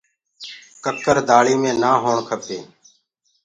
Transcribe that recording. ڪڪر دآݪی مي نآ هوڻ کپينٚ۔